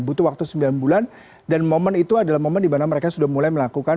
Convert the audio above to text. butuh waktu sembilan bulan dan momen itu adalah momen di mana mereka sudah mulai melakukan